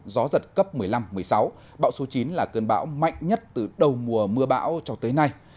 gió giật cấp một mươi năm một mươi sáu bão số chín là cơn bão mạnh nhất từ đầu mùa mưa bão cho tới nay